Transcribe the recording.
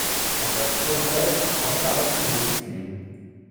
Er selbst wurde verletzt, konnte aber zunächst fliehen.